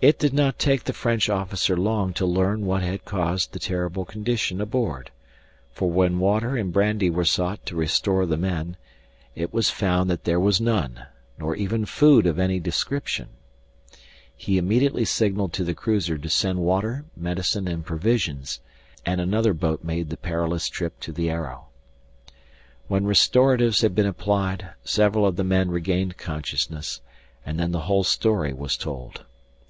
It did not take the French officer long to learn what had caused the terrible condition aboard; for when water and brandy were sought to restore the men, it was found that there was none, nor even food of any description. He immediately signalled to the cruiser to send water, medicine, and provisions, and another boat made the perilous trip to the Arrow. When restoratives had been applied several of the men regained consciousness, and then the whole story was told.